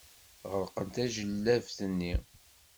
Ɣelqen tajellabt-nni.